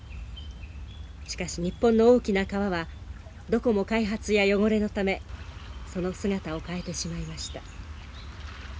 しかし日本の大きな川はどこも開発や汚れのためその姿を変えてしまいました。